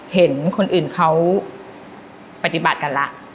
เห็นคนอื่นเขาปฏิบัติกันละ